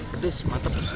kedis mata penuh